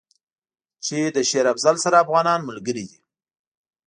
چې له شېر افضل سره افغانان ملګري دي.